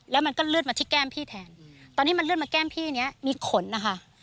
แล้วมันก็เลือดมาที่แก้มพี่แทนตอนที่มันเลือดมาแก้มพี่เนี้ยมีขนนะคะ